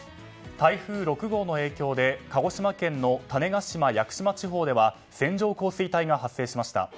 台風６号の影響で鹿児島県の種子島、屋久島地方では線状降水帯が発生しました。